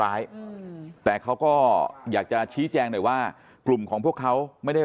ร้ายแต่เขาก็อยากจะชี้แจงหน่อยว่ากลุ่มของพวกเขาไม่ได้